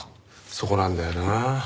そこなんだよな。